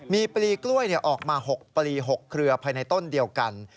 มีปลีกล้วยออกมา๖ปลี๖เครือภายในต้นเดียวกัน